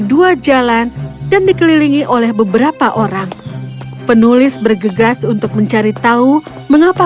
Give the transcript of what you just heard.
dua jalan dan dikelilingi oleh beberapa orang penulis bergegas untuk mencari tahu mengapa